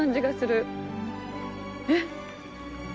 えっ。